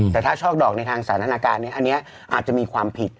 แต่ถ้าช่อดอกในทางสาธารณะการอันนี้อาจจะมีความผิด